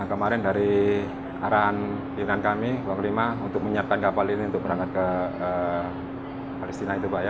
nah kemarin dari arahan pilihan kami dua puluh lima untuk menyiapkan kapal ini untuk berangkat ke palestina itu pak ya